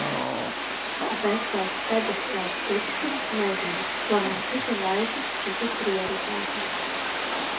Bet vai tagad vairs pirksim, nezinu. Tomēr citi laiki, citas prioritātes.